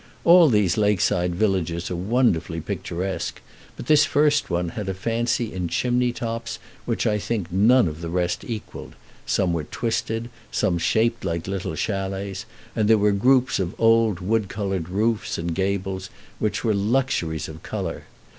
All these lake side villages are wonderfully picturesque, but this first one had a fancy in chimney tops which I think none of the rest equalled some were twisted, some shaped like little chalets; and there were groups of old wood colored roofs and gables which were luxuries of color.